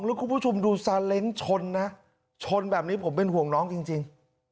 แล้วคุณผู้ชมดูซาเล้งชนนะชนแบบนี้ผมเป็นห่วงน้องจริง